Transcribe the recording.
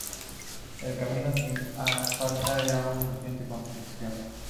Este camino sin asfaltar era de reciente construcción.